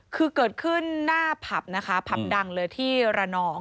คือเกิดขึ้นหน้าผับนะคะผับดังเลยที่ระนอง